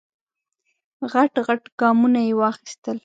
غټ غټ ګامونه یې واخیستل.